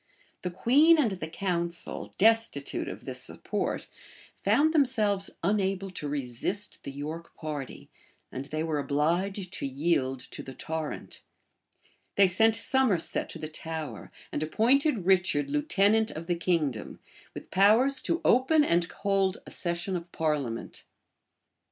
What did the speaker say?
The queen and the council, destitute of this support, found themselves unable to resist the York party; and they were obliged to yield to the torrent. They sent Somerset to the Tower, and appointed Richard lieutenant of the kingdom, with powers to open and hold a session of parliament.[*] * Rymer, vol.